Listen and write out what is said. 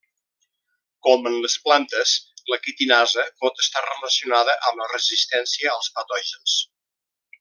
Com en les plantes, la quitinasa pot estar relacionada amb la resistència als patògens.